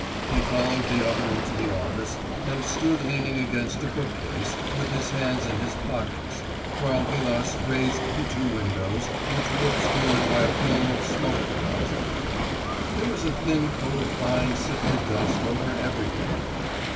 He followed the other into the office, and stood leaning against a bookcase, with his hands in his pockets, while Vilas raised the two windows, which were obscured by a film of smoke deposit: there was a thin coat of fine sifted dust over everything.